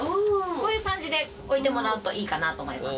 こういう感じで置いてもらうといいかなと思います。